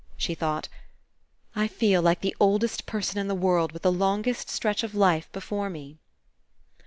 She thought: "I feel like the oldest person in the world with the longest stretch of life before me."